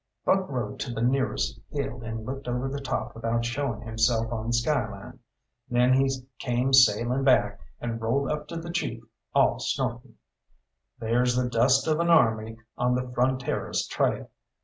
Buck rode to the nearest hill and looked over the top without showing himself on the skyline; then he came sailing back, and rolled up to the chief, all snorting. "There's the dust of an army on the Fronteras trail."